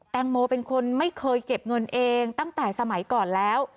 แตงโมเป็นคนไม่เคยเก็บเงินเองตั้งแต่สมัยก่อนแล้ว